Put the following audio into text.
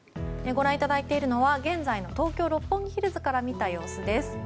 ご覧いただいているのは現在の東京・六本木ヒルズからの様子です。